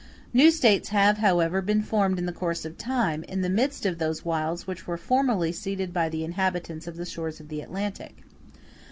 New States have, however, been formed in the course of time, in the midst of those wilds which were formerly ceded by the inhabitants of the shores of the Atlantic.